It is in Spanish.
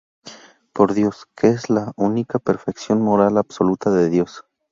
Por Dios, que es la única perfección moral absoluta de Dios.